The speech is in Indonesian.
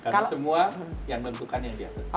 karena semua yang tentukan yang diatur